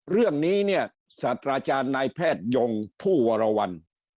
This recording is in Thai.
เรื่องนี้สัตว์อาจารย์นายแพทย์ยงผู้วรวรรณ